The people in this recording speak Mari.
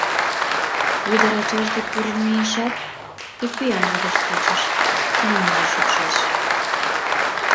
Ӱдыр ачаж дек куржын мийышат, кидпӱанже гыч кучыш, мӧҥгыжӧ шупшеш.